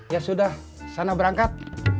ya sudah sana berangkat